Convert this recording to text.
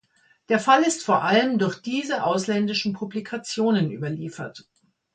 Der Fall ist vor allem durch diese ausländischen Publikationen überliefert.